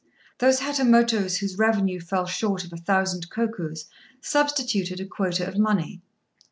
Those Hatamotos whose revenue fell short of a thousand kokus substituted a quota of money.